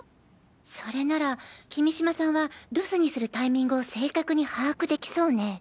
それなら君島さんは留守にするタイミングを正確に把握できそうね。